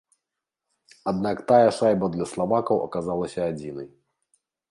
Аднак тая шайба для славакаў аказалася адзінай.